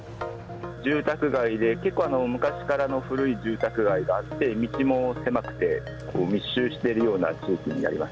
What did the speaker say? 住宅街で、結構昔からの古い住宅街があって、道も狭くて、密集しているような地域になります。